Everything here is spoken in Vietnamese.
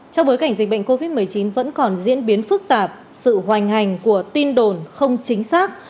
trong bối cảnh dịch bệnh covid một mươi chín vẫn còn diễn biến phức tạp sự hoành hành của tin đồn không chính xác